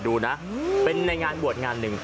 ดูนะเป็นในงานบวชงานหนึ่ง